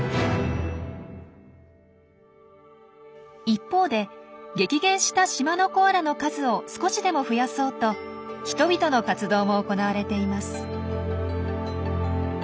一方で激減した島のコアラの数を少しでも増やそうと人々の活動も行われています。